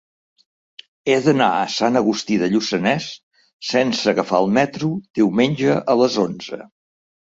He d'anar a Sant Agustí de Lluçanès sense agafar el metro diumenge a les onze.